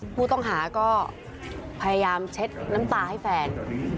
ผู้ต้องหาก็พยายามเช็ดน้ำตาให้แฟน